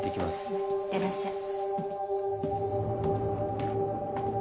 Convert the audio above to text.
うんいってらっしゃい。